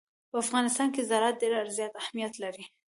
په افغانستان کې زراعت ډېر زیات اهمیت لري.